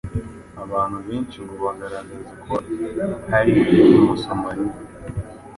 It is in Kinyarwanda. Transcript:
Abantu benshi ngo bagaragazaga ko ari Umusomali